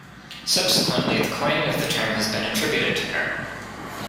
Subsequently, the coining of the term has been attributed to her.